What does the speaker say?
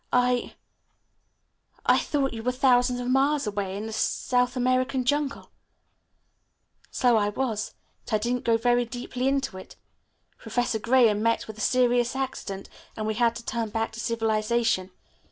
"I I thought you were thousands of miles away in a South American jungle." "So I was, but I didn't go very deeply into it. Professor Graham met with a serious accident and we had to turn back to civilization.